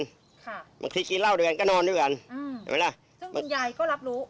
ค่ะบางทีกินเหล้าด้วยกันก็นอนด้วยกันอืมเห็นไหมล่ะซึ่งคุณยายก็รับรู้